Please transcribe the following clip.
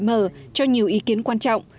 đồng góp gợi mở cho nhiều ý kiến quan trọng